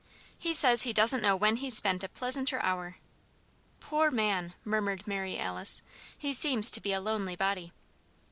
He says he doesn't know when he's spent a pleasanter hour." "Poor man!" murmured Mary Alice, "he seems to be a lonely body."